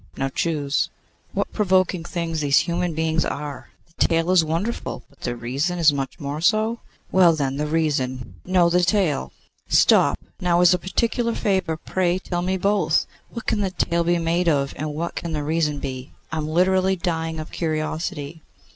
Now choose.' 'What provoking things these human beings are! The tail is wonderful, but the reason is much more so. Well then, the reason; no, the tail. Stop, now, as a particular favour, pray tell me both. What can the tail be made of and what can the reason be? I am literally dying of curiosity.